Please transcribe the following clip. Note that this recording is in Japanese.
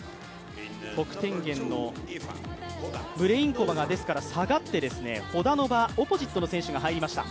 得点源のムレインコバが下がって、ホダノバ、オポジットの選手が入りました。